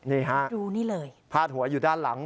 นี่ฮะดูนี่เลยพาดหัวอยู่ด้านหลัง